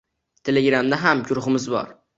Telegramda ham guruhimiz bor.